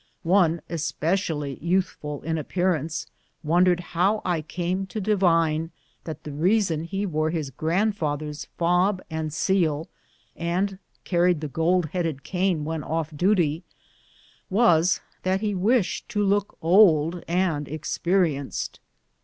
One, especially youthful in appearance, wondered how I came to divine that the reason he wore his grandfather's fob and seal, and carried the gold headed cane when off duty, was that he wished to look old and experienced.